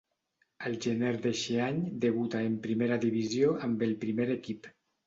Al gener d'eixe any debuta en Primera Divisió amb el primer equip.